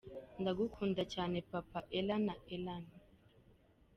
Ndagukunda cyane Papa Ella na Elan.